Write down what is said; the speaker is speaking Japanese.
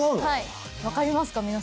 はいわかりますか？